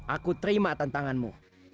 aku terima tantanganmu